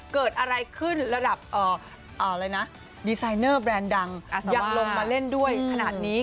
เกิดอะไรขึ้นระดับดีไซเนอร์แบรนด์ดังยังลงมาเล่นด้วยขนาดนี้